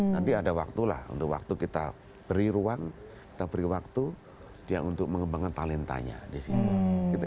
nanti ada waktu lah untuk waktu kita beri ruang kita beri waktu dia untuk mengembangkan talentanya di situ